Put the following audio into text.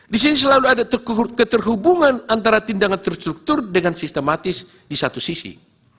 di sini selalu ada keterhubungan antara tindakan terstruktur dengan sistematis di satu sisi